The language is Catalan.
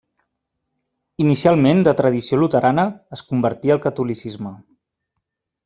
Inicialment de tradició luterana, es convertí al catolicisme.